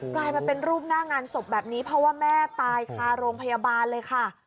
กลายมาเป็นรูปหน้างานศพแบบนี้เพราะว่าแม่ตายคาโรงพยาบาลเลยค่ะ